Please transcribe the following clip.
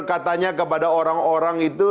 katanya kepada orang orang itu